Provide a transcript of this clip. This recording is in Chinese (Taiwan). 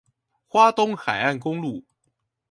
花東海岸公路